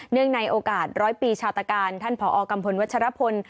เนื่องในโอกาส๑๐๐ปีชาตาการท่านผอกัมพลวัชรพล